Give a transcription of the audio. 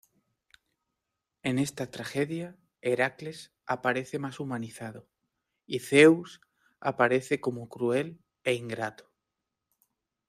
En esta tragedia, Heracles aparece más humanizado, y Zeus aparece como cruel e ingrato.